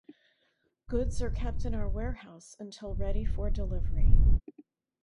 Goods are kept in our warehouse until ready for delivery.